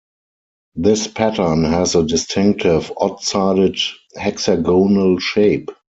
This pattern has a distinctive odd-sided hexagonal shape.